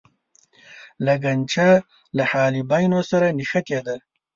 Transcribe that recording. لګنچه له حالبینو سره نښتې ده.